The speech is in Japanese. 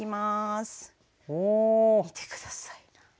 見て下さい。